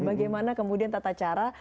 bagaimana kemudian tata cara